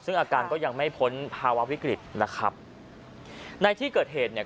ซึ่งอาการก็ยังไม่พ้นภาวะวิกฤตนะครับในที่เกิดเหตุเนี่ย